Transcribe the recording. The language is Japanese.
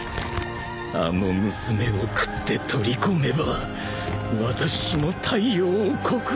あの娘を喰って取り込めば私も太陽を克服できる。